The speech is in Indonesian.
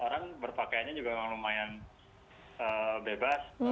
orang berpakaiannya juga lumayan bebas